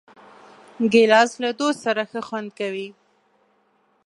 ګیلاس له دوست سره ښه خوند کوي.